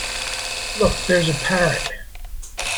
Look there's a parrot.